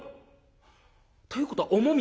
「ということは重み」。